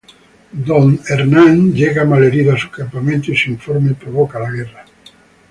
Don Hernán llega malherido a su campamento y su informe provoca la guerra.